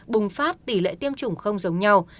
bùng phát tỷ lệ tiêm chủng không giống nhau